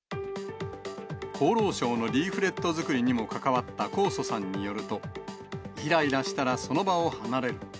厚労省のリーフレット作りにも関わった高祖さんによると、いらいらしたらその場を離れる。